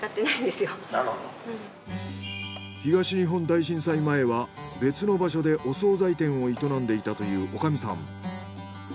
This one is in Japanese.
東日本大震災前は別の場所でお総菜店を営んでいたという女将さん。